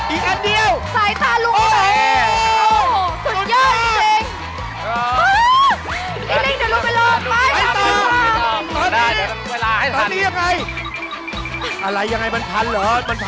อีกอันเดียวใส่ทาลุโอ้โหสุดเยอะอิลิงอิลิงเดี๋ยวลุกไปเริ่มไปต่อไปต่อ